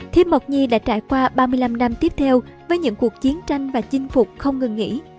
thi mộc nhi đã trải qua ba mươi năm năm tiếp theo với những cuộc chiến tranh và chinh phục không ngừng nghỉ